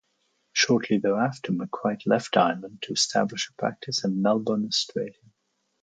Shortly thereafter, McCreight left Ireland to establish a practice in Melbourne, Australia.